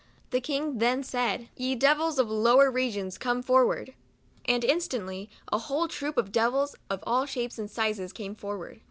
The king then said, " Ye devils of lower re gions, come forward !" And instantly a whole troop of devils, of all shapes and sizes, came forward.